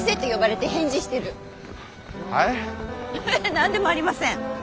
何でもありません。